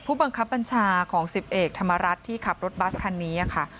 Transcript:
ผู้บังคับบัญชาของ๑๐เอกธรรมรัฐที่ขับรถบัสคันนี้ค่ะ